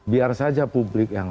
biar saja publik yang